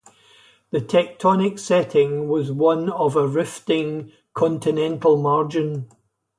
The tectonic setting was one of a rifting continental margin.